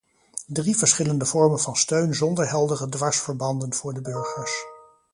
Drie verschillende vormen van steun zonder heldere dwarsverbanden voor de burgers.